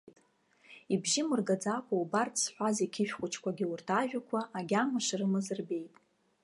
Ибжьы мыргаӡакәа убарҭ зҳәаз иқьышә хәыҷқәагьы урҭ ажәакәа агьама шрымаз рбеит.